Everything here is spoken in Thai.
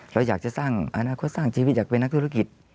เราอยากจะสร้างอนาคตสร้างชีวิตอยากเป็นนักธุรกิจ